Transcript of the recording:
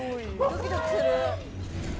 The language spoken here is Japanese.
ドキドキする。